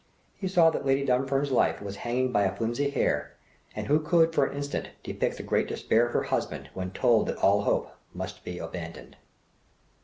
He saw that Lady Dunfern's life was hanging by a flimsy hair, and who could, for an instant, depict the great despair of her husband when told that all hope must be abandoned!